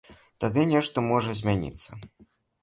Тады нешта можа змяніцца.